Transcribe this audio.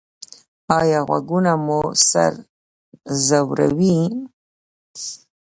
ایا غږونه مو سر ځوروي؟